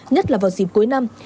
nhất là vào dịp cuối năm